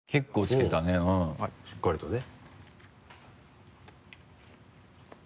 しっかりとね。